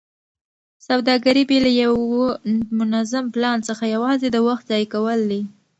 سوداګري بې له یوه منظم پلان څخه یوازې د وخت ضایع کول دي.